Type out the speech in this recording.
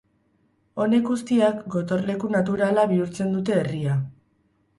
Honek guztiak gotorleku naturala bihurtzen dute herria.